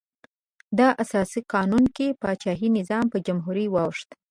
د اساسي قانون کې پاچاهي نظام په جمهوري واوښت.